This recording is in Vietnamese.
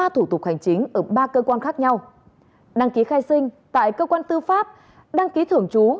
một mươi thủ tục hành chính ở ba cơ quan khác nhau đăng ký khai sinh tại cơ quan tư pháp đăng ký thưởng chú